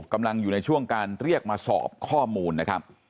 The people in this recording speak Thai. กำลังอยู่ในช่วงการเรียกมาสอบข้อมูลนะครับ